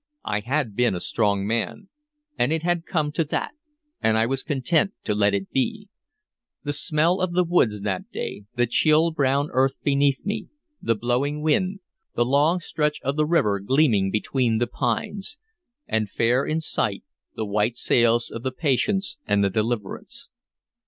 I had been a strong man, and it had come to that, and I was content to let it be. The smell of the woods that day, the chill brown earth beneath me, the blowing wind, the long stretch of the river gleaming between the pines,... and fair in sight the white sails of the Patience and the Deliverance.